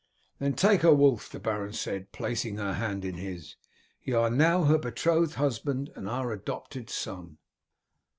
"Then take her, Wulf," the baron said, placing her hand in his. "You are now her betrothed husband and our adopted son."